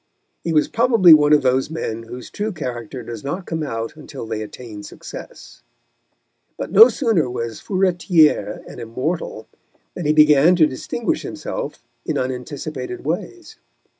He was probably one of those men whose true character does not come out until they attain success. But no sooner was Furetière an Immortal than he began to distinguish himself in unanticipated ways.